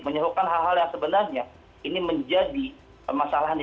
menyerukan hal hal yang sebenarnya ini menjadi masalah di negara ini